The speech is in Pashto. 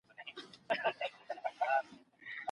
روغتيائي پوهان مستقيم مسؤليت لري.